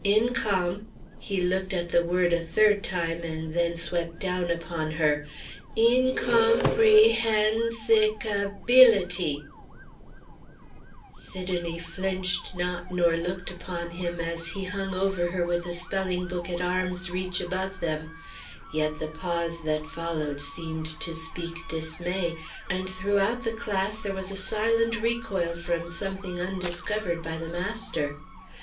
In com" He looked at the word a third time, and then swept down upon her: "In com pre hen si ca bility!" Sidonie flinched not nor looked upon him, as he hung over her with the spelling book at arm's reach above them; yet the pause that followed seemed to speak dismay, and throughout the class there was a silent recoil from something undiscovered by the master.